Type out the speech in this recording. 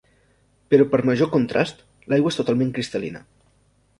Però per major contrast, l'aigua és totalment cristal·lina.